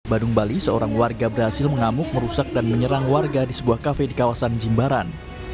badung bali seorang warga berhasil mengamuk merusak dan menyerang warga di sebuah kafe di kawasan jimbaran